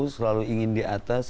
selalu ingin di atas